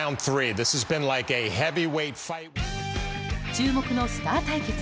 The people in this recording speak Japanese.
注目のスター対決。